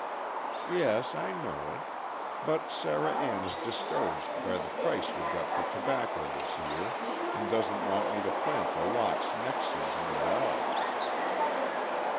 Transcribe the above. "Yes, I know it. But Sarah Ann is discouraged by the price we got for tobacco this year, and doesn't want me to plant the lots next season at all."